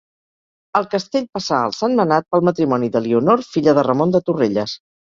El castell passà als Sentmenat pel matrimoni d'Elionor, filla de Ramon de Torrelles.